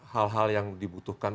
hal hal yang dibutuhkan